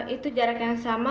itu jarak yang sama